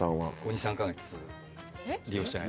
２３ヵ月利用してない。